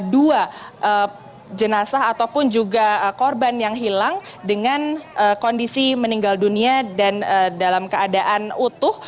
dua jenazah ataupun juga korban yang hilang dengan kondisi meninggal dunia dan dalam keadaan utuh